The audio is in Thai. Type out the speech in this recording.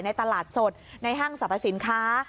ตลาดสดในห้างสรรพสินค้า